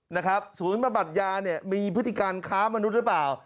นะครับศูนย์บำบัดยาเนี่ยมีพฤติการค้ามนุษย์หรือเปล่า